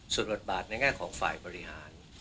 ส่วนบทบาทในแง่ของฝ่ายบริหาร